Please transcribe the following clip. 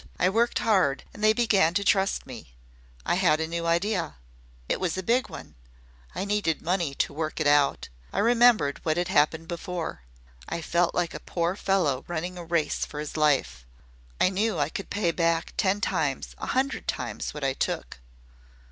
I worked hard, and they began to trust me. I had a new idea. It was a big one. I needed money to work it out. I I remembered what had happened before. I felt like a poor fellow running a race for his life. I KNEW I could pay back ten times a hundred times what I took."